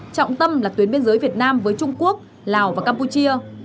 trọng tâm là tuyến biên giới việt nam với trung quốc lào và campuchia